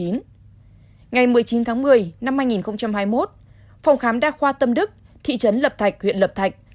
ngày một mươi chín tháng một mươi năm hai nghìn hai mươi một phòng khám đa khoa tâm đức thị trấn lập thạch huyện lập thạch